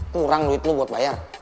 kurang duit lu buat bayar